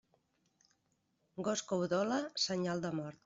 Gos que udola, senyal de mort.